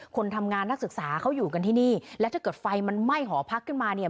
คนทำงานนักศึกษาเขาอยู่กันที่นี่แล้วถ้าเกิดไฟมันไหม้หอพักขึ้นมาเนี่ย